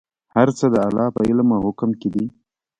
هر څه د الله په علم او حکم کې دي.